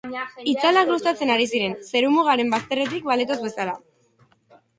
Itzalak luzatzen ari ziren, zerumugaren bazterretik baletoz bezala.